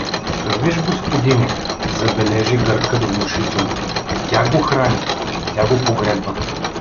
Виж, господине — забележи гъркат внушително: — Тя го храни, тя го погреба!